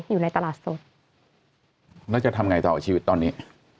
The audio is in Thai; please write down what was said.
อยู่ในตลาดสดแล้วจะทำไงต่อชีวิตตอนนี้